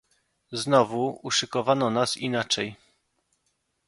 "Znowu uszykowano nas inaczej."